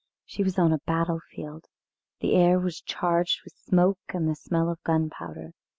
She was on a battlefield. The air was charged with smoke and the smell of gunpowder.